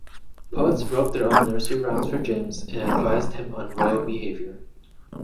Poets wrote their own nursery rhymes for James and advised him on royal behavior.